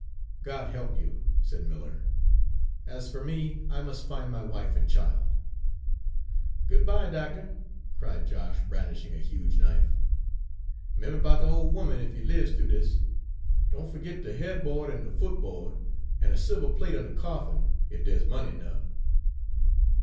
"God help you!" said Miller. "As for me, I must find my wife and child." "Good by, doctuh," cried Josh, brandishing a huge knife. "'Member 'bout de ole 'oman, ef you lives thoo dis. Don' fergit de headbo'd an' de footbo'd, an' a silver plate on de coffin, ef dere's money ernuff."